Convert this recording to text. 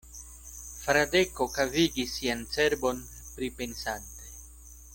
Fradeko kavigis sian cerbon, pripensante.